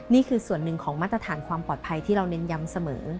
นี่คือส่วนหนึ่งของมาตรฐานความปลอดภัยที่เราเน้นย้ำเสมอ